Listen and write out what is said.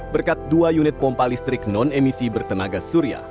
berkat dua unit pompa listrik non emisi bertenaga surya